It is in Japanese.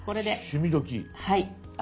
「趣味どきっ！」。